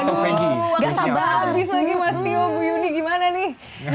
aduh kita habis lagi mas lio bu yuni gimana nih